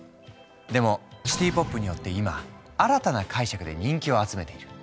でもシティ・ポップによって今新たな解釈で人気を集めている。